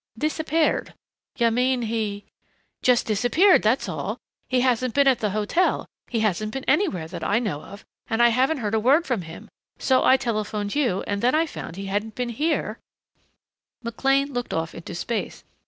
"Disappeared? You mean, he " "Just disappeared, that's all. He hasn't been at the hotel he hasn't been anywhere that I know of, and I haven't heard a word from him so I telephoned you and then when I found he hadn't been here " McLean looked off into space.